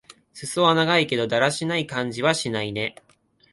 すそは長いけど、だらしない感じはしないね。